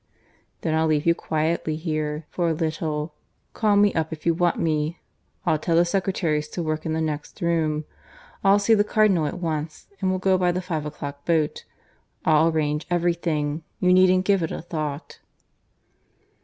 "Then I'll leave you quietly here for a little. Call me up if you want me. I'll tell the secretaries to work in the next room. I'll see the Cardinal at once, and we'll go by the five o'clock boat. I'll arrange everything. You needn't give it a thought."